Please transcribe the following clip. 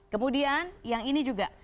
kemudian yang ini juga